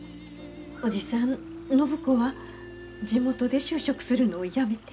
おじさん暢子は地元で就職するのをやめて。